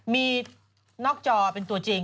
มีนอกจอเป็นตัวจริง